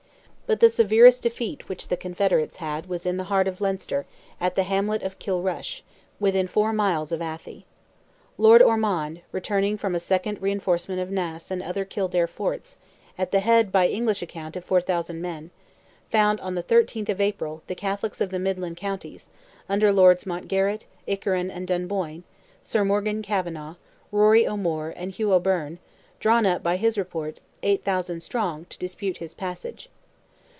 But the severest defeat which the Confederates had was in the heart of Leinster, at the hamlet of Kilrush, within four miles of Athy. Lord Ormond, returning from a second reinforcement of Naas and other Kildare forts, at the head, by English account, of 4,000 men, found on the 13th of April the Catholics of the midland counties, under Lords Mountgarrett, Ikerrin, and Dunboyne, Sir Morgan Cavenagh, Rory O'Moore, and Hugh O'Byrne, drawn up, by his report, 8,000 strong, to dispute his passage.